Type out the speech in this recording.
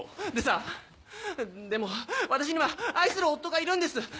でさ「でも私には愛する夫がいるんです」。